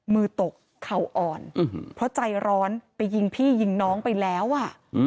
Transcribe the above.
มือตกเข่าอ่อนเพราะใจร้อนไปยิงพี่ยิงน้องไปแล้วอ่ะ